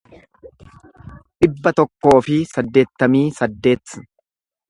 dhibba tokkoo fi saddeettamii saddeet